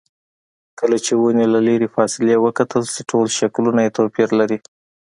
کله چې ونې له لرې فاصلې وکتل شي ټول شکلونه یې توپیر لري.